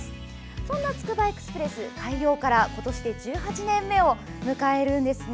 そんなつくばエクスプレス開業から今年で１８年目を迎えるんですね。